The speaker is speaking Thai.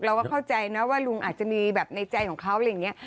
เราก็เข้าใจนะว่าลุงอาจจะมีแบบในใจของเขาอะไรอย่างนี้